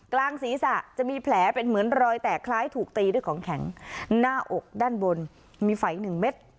กลางศีรษะจะมีแผลเป็นเหมือนรอยแตกคล้ายถูกตีด้วยของแข็งหน้าอกด้านบนมีไฝหนึ่งเม็ด